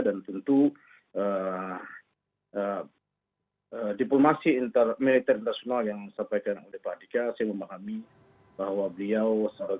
dan tentu diplomasi militer nasional yang disampaikan oleh pak adhika saya memahami bahwa beliau sangat berharga